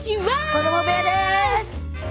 子ども部屋です！